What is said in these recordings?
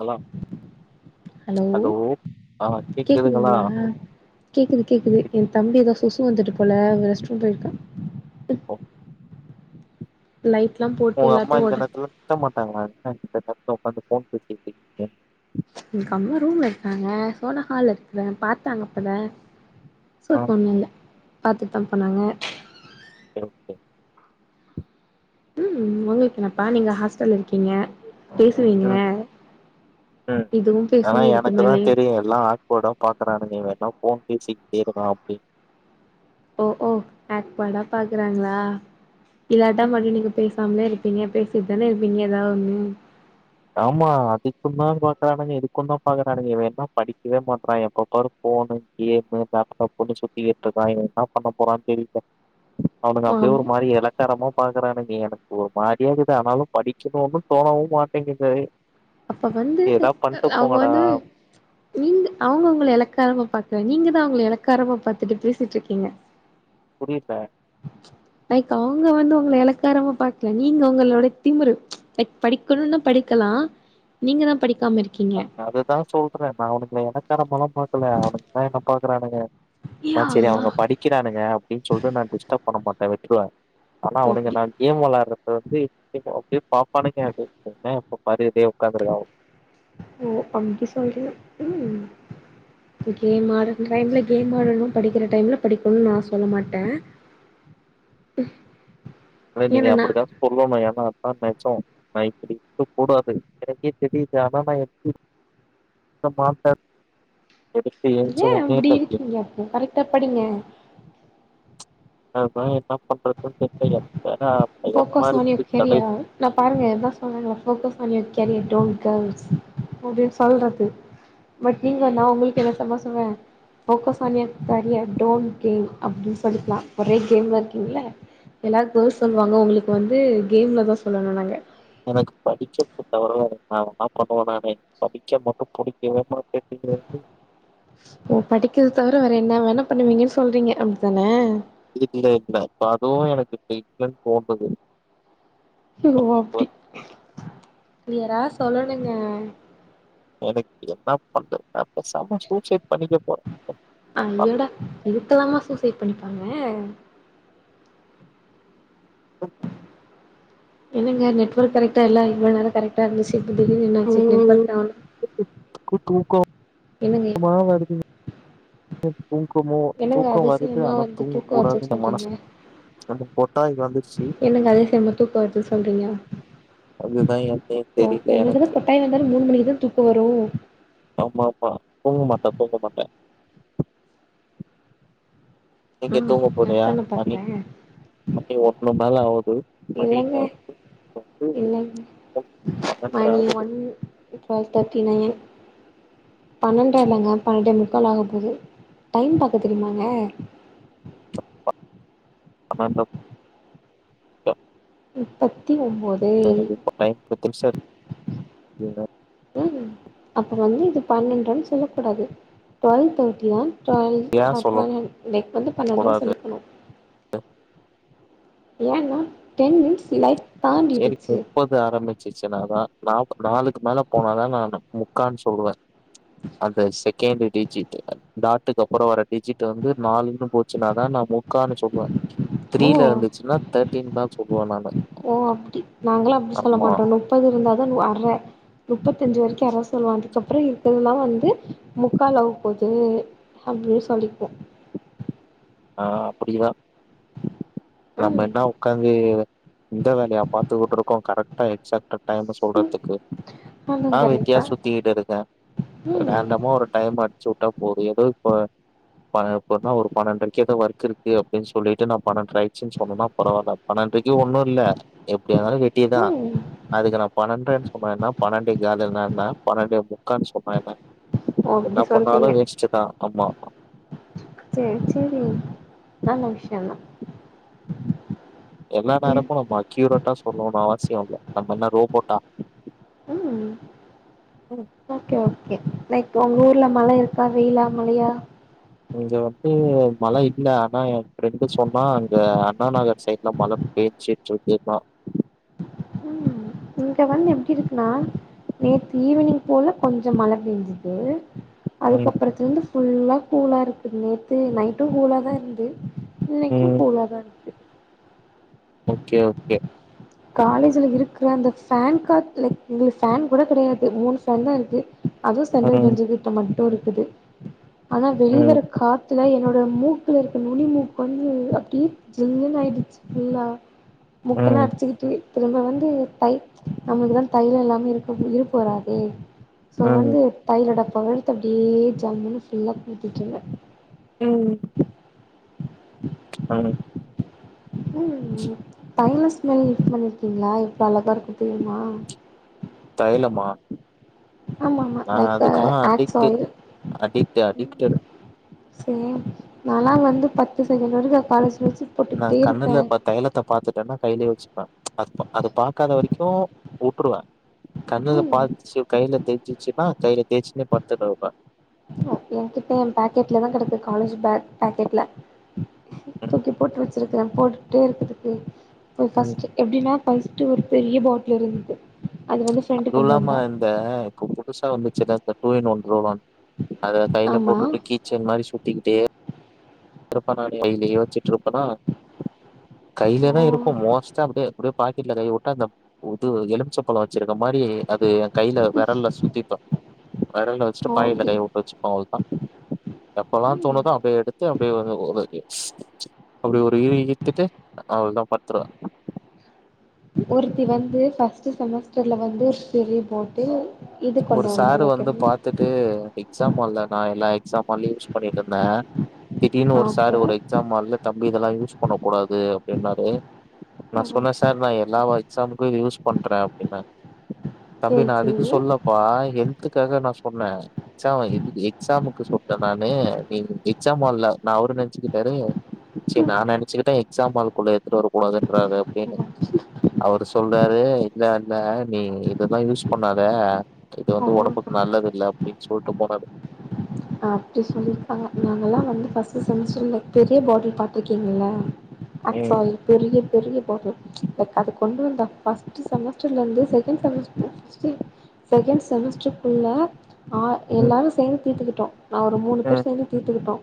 hello hello ஆ கேக்குதுங்களா கேக்குதுங்ளா கேக்குது கேக்குது ஏ தம்பிதா சுசு வந்துட்டு போல அங்க ரெஸ்ரூம் பேயிருக்கா ஒ லைட்லா போட்டு அம்மா எல்லாத்தையு இந்த ஒட நேரத்துல திட்ட மாட்டாங்ள [unintelligible] போன் பேசிட்டு இருக்கீங்க எங்க அம்மா ரூம்ல இருக்காங்க சோ நா ஹால் இருக்கிற பாத்தாங்கபோல ஆ சோக் ஒன்னு இல்ல பாத்துட்டுதா போனாங்க [unintelligible] ம் உங்களுக்கு என்னப்பா நீங்க ஹாஸ்டல்ல இருக்கீங்க பேசுவீங்க ம் ம் இதுவு ஆனா பேசுவீங்க எனக்குதா இதுக்குமேலயு தெரியு எல்லா ஆக்வேர்டா பாக்குறாங்க நீ வேனா போன் பேசிக்கிட்டு [unintelligible] அப்டின் ஓ ஓ ஆக்வேர்டா பாக்குறாங்களா இல்லாட்டா மட்டு நீங்க பே சாமே இருப்பீங்க பேசிட்டு தான இருப்பீங்க ஏதாவது ஒன்னு ஆமா அதுக்கு தா பாக்குறானுங்க இதுக்கு தா பாக்குறானுங்க இவ என்ன படிக்கவே மாட்டறா எப்ப பாரு போணு ஏம்மு லேப்டாப் ஒட சுத்திகிட்டுருக்கா இவ என்ன பண்ண போறான்னு தெரில அவனுக அப்டியே ஒரு ஒண்ணு மாரி எலக் காரமா பாக்குறானுங்க எனக்கு ஒரு மாறியா இருக்குது ஆனாலு படிக்கணுன்னு தோணவு மாட்டங்கிது அப்ப வந்து அவங்க வந்து நீங் அவங்க உங்கள எலக்காரமா பாக்கல நீங்க தா அவங்கல எலக்காரமா பாத்துட்டு பேசிட்டு இருக்கீங்க புரித எனக்கு அவ்ங்க வந்து உங்கள எலக்காரமா பாக்கல நீங்க உங்களோட திமிரு பக் படிக்கணுன்னா படிக்கலா நீங்க தா படிக்காம இருக் அததா சொல்ற நா அவனுங்கள எலக்காரமால்லா பாக்கல அவனுக்குதா என்ன பாக்குறானுங்க நா யா செரி அல்லா அவனுங்க படிக்கிறானுங்க அப்டின்னு சொல்லிட்டு நா டிஸ்டர்ப் பண்ண மாட்டே விட்ருவே ஆனா ஓ அவனுங்க அப்டி தா கேம் வெளாடுறது வந்து அப்டியே பாப்பானுங்க எப்பாரு இதே உட்காந்துருக்கனு ஓ அப்டி சொல்றியா ம் கேம் ஆட்ற டைம்ல கேம் ஆடணு படிக்கிற டைம்ல படிக்கணுன்னு நா சொல்ல மாட்டே ம் அத நீங்க அப்புடிதா சொல்லணு எனா அதா நெஜோ நா இப்டி இருக்க கூடாது எனக்கே தெரியுது ஆனா நா எப்டி இருக் ட்ட பாத்த ஏ அப்புடி இருக்கீங்க அப்போ கரெட்டா படிங்க அதா என்ன பண்றதுனு தெரில எனா பயமா ஃபோக்கஸ் ஆன் யுவர் இருக்கு கடே கெரியர் நா பாருங்க எதா சொல்றேல focus on your career don't girls அப்புடின் சொல்றது பட் நீங்க நா உங்களுக்கு என்ன சமா சொல்லுவெ focus on your career don't game அப்புடி சொல்லிக்கலா ஒரே கேம்ல இருக்கீங்கள எல்லாரு கேல்ஸ் சொல்லுவாங்க உங்களுக்கு வந்து கேம்ல தா சொல்லனு நாங்க எனக்கு படிக்க [unintelligible] நா என்ன பண்ண நானே படிக்க மட்டு பிடிக்கவே மாட்டீங்குது ஓ படிக்கற்த தவிர வேற என்ன வேணா பண்ணுவீங்கன்னு சொல்றீங்க அப்டித்தான இல்ல இல்ல இப்ப அதுவு எனக்கு இப்போ இல்லன்னு தோணுது ஓ இப்ப அப்டி வந்து க்ளியரா சொல்லனுங்க எனக்கு என்ன பண்றது நா பேசாம சூசைட் பண்ணிக்க போறே ஐய்யோடா இதுக்கெலாமா சூசைட் பண்ணிப்பாங்க என்னங்க நெட்வொர்க் கரக்டா இல்ல இவ்ளோ நேரோ கரக்டா இருந்துச்சி இப்போ திடீர்னு என்ன ஆச்சி நெட்வர்க் எனக்கு ஆவ் என்னங்க ஆ வருதுங்க தூக்கமோ என்னங்க தூக்கோ வருது அதிசயமா ஆனா வந்து தூங்க தூக்கோ கூடாது வருதுன்னு இந்த சொல்றீங்க மனசு ரெண்டு கொட்டாயி வந்திருச்சி என்னங்க அதிசயமா தூக்கோ வருதுன்னு சொல்றீங்க அதுதா ஏன்னே ஓ தெரில உங்களுக்குதா எனக்கே கொட்டாய் வந்தாலு மூணு மணிக்குதா தூக்கோ வரு ஆமா ஆமா தூங்க மாட்டே தூங்க மாட்டே நீங்க ஆ தூங்க போலயா அதான மணி பாத்தே மணி ஒன்னு மேல ஆவுது மணி என்னே இல்ல பன்னெண்டரை மணி ஆகுது வன் டுவல் தேர்ட்டி நையன் பன்னன்ர இல்லங்க பன்னண்டே முக்கால் ஆக போது டைம் பாக்க தெரியுமாங்க அம்மா ப்ரோ நுப்பத்தி ஒம்போது எனக்கு இப்ப டைம் ஃபிக்ஸேட்டு ம் அப்ப வந்து இது பன்னன்ரன் சொல்லக்கூடாது டுவல் தேர்ட்டியா டுவல் ஏன் சொல்ல ஹவர் லைக் வந்து பன்னன்ரனு கூடாது சொல்லிக்கணு ஏனா டென் மினிட்ஸ் லைக் சேரி போய்ட்டு போது து ஆரம்பிச்சுச்சு நா தா நாப் நாலுக்கு மேல போனாதா நா முக்கான் சொல்லுவே அந்த செக் கேன்டி டிஜ்ட்டுக்கால் இந்த ஆட்டுக்கப்புறோ வர டிஜிட் வந்து நாலுன்னு போச்சுனாதா நா மு க்கான்னு சொல்லுவே ஓ த்ரீல இருந்துச்சுன்னா தேர்டின் தா சொல்லுவே நானு ஓ அப்டி நாங்களா அப்டி சொல்ல ஆமா மாட்டோ முப்பது இருந்தா தா அர்ற முப்பத்தஞ்சு வரைக்கோ அதா சொல்லுவோ அதுக்கப்புறோ இருக்குதுல்லா வந்து முக்கால் ஆவ போது அப்டியே சொல்லிக்குவோ ஆ அப்டிதா நம்ம ம் என்ன ஒக்காந்து இந்த வேலையா பாத் கத்துக்குட்டு இருக்கோ கரெக்டா எக்சாட்டு டைமு ம் சொல்றதுக்கு அதுவு நா கரெக்ட் வெட்டியா தா சுத்திகிட்டு இருக்க ம் ரேண்டமா ஒரு டைம் அட்ச்சு வுட்டா போதோ எதோ இப்ப பனெண் இப்பனா ஒரு பன்னெண்ட்ரை எதோ ஒர்க் இருக்கு அப்டீன்னு சொல்லிட்டு நா பன்னெண்ட்ர ஆயிட்ச்சுன்னு சொன்னேனனா பரவால்ல பன்னெண்ட்ரைக்கு ஒன்னோ இல்ல எப்டி ஆனாலு கெட் ட்டி தா ம் அதுக்கு நா பன்னெண்ட்ர சொன்னா என்ன பன்னெண்டே காலுனா இன்னா பன்னெண்டு முக்கான்னு சொன்னா என்ன ஓ என்ன அப்டி பண்ணாலு வேஸ்டுதா ஆமா செரி செரி நல்ல விஷ்யோந்தா எல்லா ம் நேரமோ நம்ம அக்யூரட்டா சொல்லணோனு அவசியோ இல்ல நம்ம என்ன ரோபோட்டா உம் ஓகே ஓகே லைக் உங்க ஊர்ல மழை இருக்கா வெயிலா மழையா இங்க வந்து மழ இல்ல ஆனா எ ஃப்ரெண்டு சொன்னா அங்க அண்ணாநாகர் சைடுல மழ பேய்ஞ்சிட்டு இருக்குதா உம் இங்க வந்து எப்டி இருக்குனா நேத்து ஈவினிங் போல கொஞ்சோ மழை பேஞ்சுது ம் அதுக்கப்புறோத்துல வந்து ஃபுல்லா கூலா இருக்குது நேத்து நைட்டு கூலாதா இருந்து இன்னைக்கு ம் கூலாதா இரு ஓகே ஓகே காலேஜ்ல இருக்குற அந்த ஃபேன்காத் லைக் எங்குளுக்கு ஃபேன் கூட கெடையாது மூணு ஃபேன்தா இருக்கு அதுவு சென்ட்ரல் ம் பெஞ்சு கிட்ட மட்டு இருக்குது ஆனா வெளி ம் வர காத்துல என்னோட மூ க்குல இருக்கு நுனி மூக்கு வந்து அப்டியே ஜில்லுனு ஆயிடுச்சு நல்லா மூக்கெல்லா ம் அடிச்சுக்கிட்டு தி திரும்ப வந்து தை நமக்குதா தைலோ இல்லாமே இருக்க இருக்க வராதே சோ ம் வந்து தைல டப்பாவ எடுத்து அப்டியே ஜம்முன்னு ஃபுல்லா பூத்திட்றுந்த உம் [unintelligible] ம் தைலோ ஸ்மெல் இது பண்ணிருக்கீங்களா எவ்ளோ அழகா இருக்கு தெரியுமா தைலமா ஆமா ஆமா நா லைக் அதுக்குல்லா ஆக்ஸ் அடிக்ட்டு ஆயில் அடிக்ட்டு அடிக்டட் செரி நால்லா அங்க வந்து பத்து செகண்ட் வெரிக்கோ காலேஜ்ல வெச்சு நா கண்ணுல பாத் தைலத்த பாத்துட்டன்னா கைலயே வெச்சுப்பே அது அது பாக்காத வெரிக்கோ வுட்ருவே கண்ணுல ம் பாத்துச்சு கையில தேய்சுச்சுன்னா கையில தேய்சச்சுனே பத்துனுர்ப்ப எ கிட்ட ஏ பேக்கெட்லதா கெடைக்குது காலேஜ் பேக் பேக்கெட்ல தூக்கி போட்டு வெச்சிருக்கறே போட்டுட்டே இருக்குதுக்கு போய் ம் பஸ்ட்டூ எப்டீன்னா பஸ்ட்டு ஒரு பெரீய பாட்டில் இருந்தது அது வந்து ஃப்ரெண்டு அதுவு கொண்டு இல்லாம வந்தா இந்த இப்ப புதுசா வந்துச்சுனா இந்த டூயின் ஒன் க்ரோ ஒன் அத கையில ஆமா போட்டுட்டு கீச் செயின் மாரி சுத்திக்கிட்டே இருப்பனா டெய்லியு வச்சுட்டு இருப்பனா கையில தா ஓ இருக்கு மோஸ்டா அப்டியே அப்டியே பாக் கெட்ல கையவுட்டா இந்த இது எலும்ச்ச பழோ வச்சிருக்க மாரி அது ஏ கையில வெரல்ல சுத்திப்ப விரல்ல வச்சுட்டு ஓ பாக்கெட்ல அப்டி கை வுட்டு வச்சுப்ப எப்பெல்லா ம் தோணுதோ அப்ப எடுத்து அப்டி ஒரு ஒரு அப்டி ஒரு இழு இழுத்துட்டு அவ்ளோதா பத்துருவ ஒருத்தி வந்து ஃபர்ஸ்ட்டு செமஸ்டர்ல வந்து ஒரு சிறிய போட்டு இது கொண்டு வந்தா நெனக்கிற எத்துட்டு எக்ஸாம் ஹால்ல நா எல்லா எக்ஸாம் ஹால்லையு யூஸ் பண்ணிட் இருந்த திடீர்னு ஆ ஒரு சார் ஓகே ஒரு எக்ஸாம் ஹால்ல தம்பி இதெல்லா யூஸ் பண்ண கூடாது அப்டின்னாரு நா ஓ சொன்ன சார் நா எல்லா எக்ஸாமுக்கு இது யூஸ் பண்ற அப்டின்னா தம்பி சேரி நா அதுக்கு சேரி சொல்லப்பா இக்குக்காக நா சொன்ன ச்சா எக் எக்ஸாமுக்கு சொல்லல நானு நீ எக்ஸாம் ஹால்ல நா அவருன்னு நெனச்சுக்கிட்டாரு சேரி நா நெனச்சுக்கிட்டே எக்ஸாம் ஹால்குள்ள எத்துட்டு வரக்கூடாதுன்றாரு அப்டின்னு அவரு சொல்றாரு இல்ல இல்ல நீ இததா யூஸ் பண்ணாத இது வந்து ஓ ஒடம்புக்கு நல்லது இல்ல அப்டின்னு சொல்ட்டு போனாரு அப்டி சொல்லிருப்பாங்க நாங்கெல்லா வந்து, ஃபர்ஸ்ட் செமஸ்டர்ல பெரிய பாட்டல் பாத்துருக்கீங்ல்ல அக் ம் சாயில் பெரிய பெரிய பாட்டில் எனக்கு அத கொண்டு வந்த ஃபர்ஸ்ட் செமஸ்டர்ல இருந்தே செகண்ட் செமஸ்டர் செகண்ட் செமஸ்டர் ஃபுல்லா ஆ ம் எல்லாரு சேந்து தீத்துகீட்டோ நா ஒரு மூணு பேர் ம் சேந்து தீத்துத்துக்கிட்டோ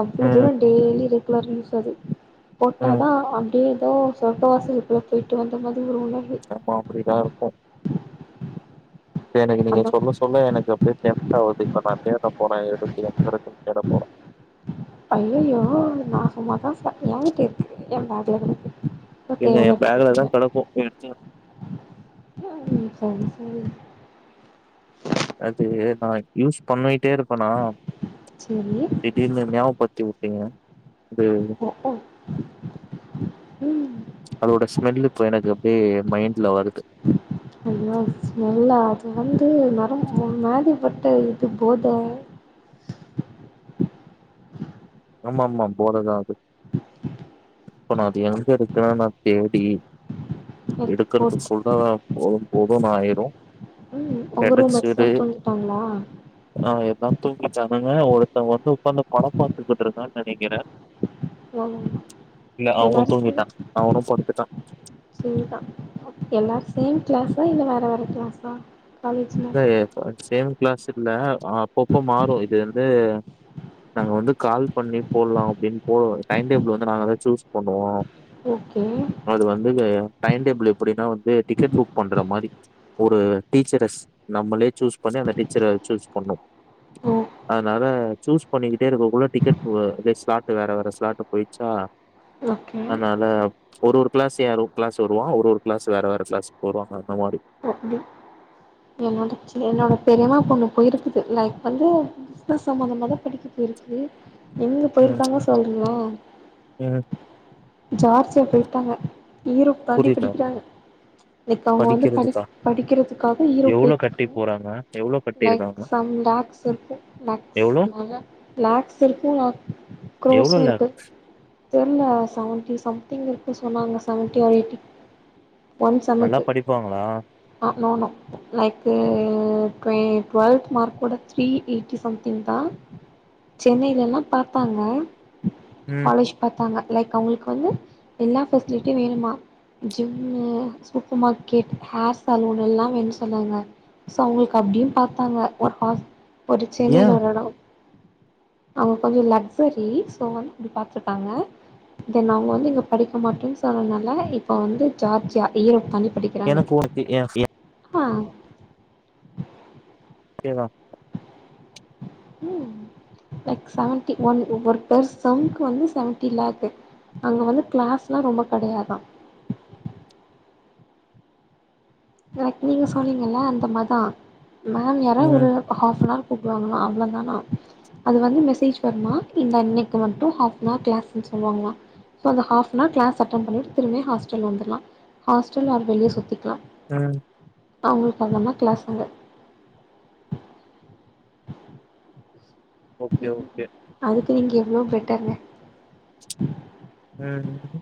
அவ்ளோ ம் தூரோ டெய்லி ரெகுலர் நியூஸ் அது ம் போட்டாதா அப்டியே ஏதோ சொர்க்க வாசலுக்குள்ள போயிட்டு வந்த மாதிரி ஒரு உணர்வு ஆமா அப்டிதா இருக்கு இப்ப எனக்கு நீங்க அந்த சொல்ல சொல்ல எனக்கு அப்டியே டெம்டாகுது இப்ப நா தேட போற எடுத்து எங்கருக்குனு தேட போற ஐயயோ நா சும்மாதா சொ எங்கிட்ட இருக்கு ஏ பேக்ல கெடக்கு இது ஏ தேவனா எடுத்து பேகுலதா போட்டுப்ப கெடக்கு போய் எடுத்து சரி சரி அது நா யூஸ் பண்ணிட்டே இருப்பனா சரி சரி திடீர்னு நியாபகபத்தி வுட் ஏ அ ஆ ம் அதோட ஸ்மெல்லு இப்ப எனக்கு அப்டியே மைண்ட்ல வருது [unintelligible] நல்ல ஸ்மெல்ல அது வந்து நரம் முன்னாடிபட்டு இது போத ஆமாமா போததா அது இப்ப நா அது எங்க இருக்கனு நா தேடி எடுத்து போட் எடுக்கறதுக்குள்ள போதுபோதுன்னு ஆயிரு ம் உங்க ரூம்மெட்ஸ்ல்லா கிடைச்சிரு தூங்கிட்டாங்ளா ஆ எல்லா தூங்கிட்டானுங்க ஒருத்த வந்து உக்காந்து படோ பாத்துக்கிட்டு இருக்கான்னு நெனைக்கிறே ம் இல்ல அவனு எல்லாரு தூங்கிட்டா அவனு படுத்துட்டா சரிதா எல்லாரு சேம் கிளாஸா இல்ல வேற வேற கிளாஸா காலேஜ்ல இல்ல சேம் கிளாஸ் இல்ல அப்பப்போ மாறு இது வந்து நாங்க வந்து கால் பண்ணி போட்லா அப்டின்னு போவோ டைம் டேபிள் வந்து நாங்கதா சூஸ் பண்ணுவோ ஓகே அது வந்து டைடேபிள் எப்டின்னா வந்து டிக்கெட் புக் பண்றா மாரி ஒரு டீச்சரஸ் நம்மளே சூஸ் பண்ணி அந்த டீச்சர்ற சூஸ் பண்ணு ஓ அதனால சூஸ் பண்ணிக்கிட்டே இருக்ககுள்ள டி க்கெட் அ த ஸ்லாட்டு வேற வேற ஸ்லாட்டு போய்ச்சா ஓகே அத்னால ஒரு ஒரு க்ளாஸ் ஏ ரூம் க்ளாஸ் வருவா ஒரு ஒரு க்ளாஸ் வேற வேற க்ளாஸ் வருவாங்க அந்த மாரி ஒ அப்பிடி என்னோட என்னோட பெரியமா பொண்ணு போயிருக்குது லைக் வந்து பிஸ்னஸ் சம்மந்தமாதா படிக்க போயிருக்கு எங்க ம் போயிருக்காங்க சொல்றனா ம் ஜார்ஜியா போய்ற்காங்க யூரோப் தாண்டி புரில படிக்கிறாங்க லைக் அவுங்க வந்து படி படிக்கிறதுக்கா படிக்கிறதுக்காக யூரோப் எவ்ளோ போயிருக்காங்க கட்டி போறாங்க எவ்ளோ லைக் கட்டிருக்காங்க சம் லாக்ஸ் இருக்கு லாக்ஸ் எவ்ளோ [unintelligible] லாக்ஸ் இருக்குங்க க்ரோர்ஸு எவ்ளோல இருக்கு தெர்ல செவன்ட்டி சம்திங் இருக்கு சொன்னாங்க செவன்ட்டி ஆர் எயிட்டி ஒன் நல்லா செம்முக்கு படிப்பாங்களா ஆ நோ நோ லைக்கு டுவே டுவெல்த் மார்க்கூட த்ரீ எயிட்டி சம்திங்தா சென்னைலலா பாத்தாங்க ம் காலேஜ் பாத்தாங்க லைக் அவேங்களுக்கு வந்து எல்லா ஃபெஸ்லிட்யு வேணுமா ஜிம்மு சூப்ப மார்க்கெட் ஹேர் சலூனெல்லா வேணு சொன்னாங்க சோ அவுங்களுக்கு அப்டியு பாத்தாங்க ஒரு ஹாஸ் ஒரு ஏ சென்னைல ஒரு எடோ அவுங்க கொஞ்ச லக்சரி சோ வந்து அப்டி பாத்துருக்காங்க தென் அவுங்க வந்து இங்க படிக்க மாட்டே சொன்னத்னால இப்போ வந்து ஜார்ஜியா ஈரோப் தாண்டி படிக் எனக்கு ஒருத்தி யா யா ஆ கேவா ம் லைக் செவன்டி ஒன் ஒரு பெர் செம்க்கு வந்து செவன்டி லாக்கு அங்க வந்து க்ளாஸ்லா ரொம்ப கடையாதா லைக் நீங்க சொன்னீங்கல்ல அந்த மார்தா மேம் யாரா ஒரு ம் ஹாஃப்னார் கூப்டுவாங்களா அவ்ளதனா அது வந்து மெசேஜ் வருமா இந்த அன்னைக்கு மட்டு ஹாஃப்னார் க்ளாஸ்னு சொல்லுவாங்களா சோ அந்த ஆஃப்னார் க்ளாஸ் அட்டன் பண்ணிட்டு திரும்பியு ஹாஸ்டல் வந்துர்லா ஹாஸ்டல் ஆர் வெளிய சுத்திக்லா அ அவுங்களுக்கு அவ்ளதா க்ளாஸ் அங்க ஓகே ஓகே அதுக்கு இங்க எவ்ளோ பெட்டர்ங்க ம்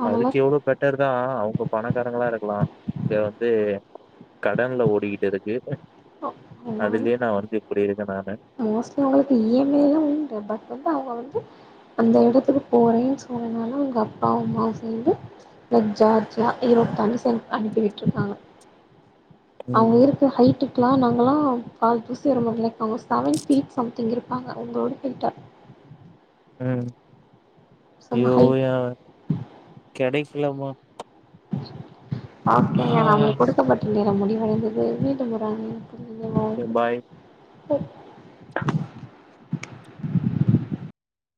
அவங்களா அதுக்கு எவ்ளோ பெட் டருதா அவுங்க பணக்காரங்களா இருக்கலா இங்க வந்து கடன்ல ஓடிக்கிட்டு இருக்கு அதுலியே நா வந்து இப்டி இருக்கே நானு மோஸ்ட்லி அவுங்களுக்கு இ எம் ஐலா உண்டு பட் வந்து அவுங்க வந்து அந்த எடத்துக்கு போறே சொன்னனால அவுங்க அப்பா அம்மாவு சேந்து லைக் ஜார்ஜா ஈரோப் தாண்டி சென் அனுப்பி விட்ருக்காங்க ம் அவுங்க இருக்க ஹைட்டுக் லா நாங்கலா கால் தூசி வர மாட் லைக் அவுங்க செவன் ஃபீட் சம்திங் இருப்பாங்க உங்களோட ஹைட்டா ம் செம ஐயோ ஹைட் ஏங்க கெடைக்கிலமா ஓகேங்க நமளுக் குடுக்கப்பட்ட நேரம் முடிவடைந்தது மீண்டும் பாய் [unintelligible] [unintelligible]